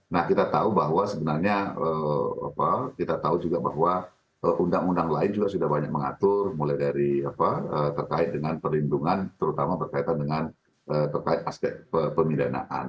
nah kita tahu bahwa sebenarnya kita tahu juga bahwa undang undang lain juga sudah banyak mengatur mulai dari apa terkait dengan perlindungan terutama berkaitan dengan terkait aspek pemidanaan